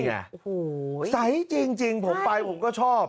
นี่แหละใสจริงผมไปก็ชอบ